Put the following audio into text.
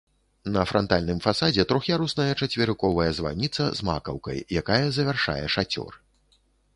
На франтальным фасадзе трох'ярусная чацверыковая званіца з макаўкай, якая завяршае шацёр.